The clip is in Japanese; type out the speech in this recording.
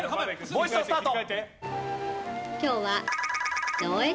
もう一度スタート。